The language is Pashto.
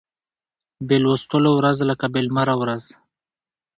بې لوستلو ورځ لکه بې لمره ورځ